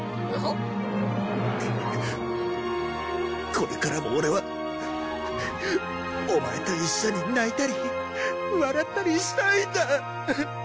これからもオレはオマエと一緒に泣いたり笑ったりしたいんだ！